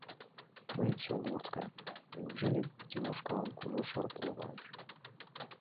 Мыйын чон вуртка: неужели Тимошкалан кужу шырпе логалеш?